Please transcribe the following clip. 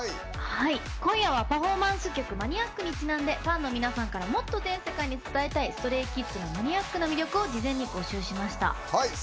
今夜はパフォーマンス曲「ＭＡＮＩＡＣ」にちなんでファンの皆さんからもっと全世界に伝えたいＳｔｒａｙＫｉｄｓのマニアックな魅力を事前に募集しました。